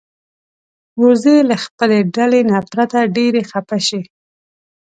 وزې له خپلې ډلې نه پرته ډېرې خپه شي